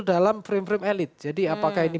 dalam frame frame elit jadi apakah ini